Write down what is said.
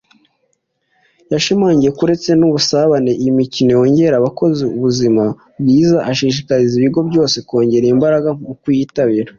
yashimangiye ko uretse n’ubusabane iyi mikino yongerera abakozi ubuzima bwiza ashishikariza ibigo byose kongera imbaraga mu kuyitabira